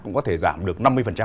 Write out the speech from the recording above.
cũng có thể giảm được năm mươi